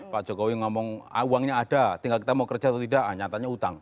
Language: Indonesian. pak jokowi ngomong uangnya ada tinggal kita mau kerja atau tidak nyatanya utang